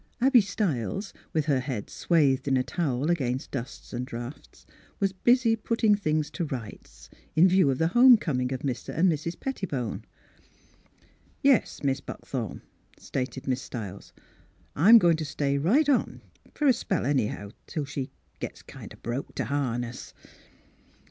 Abby Stiles, her head swathed in a towel against dust and draughts, was busy putting things to rights, in view of the home coming of Mr. and Mrs. Petti bone. "Yes, Mis' Buckthorn," stated Miss Stiles, " I'm goin' t' stay right on — for a spell, anyhow, till she gets kind o' broke t' harness."